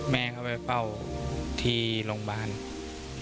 แม่เขาไปเฝ้าที่โรงพยาบาล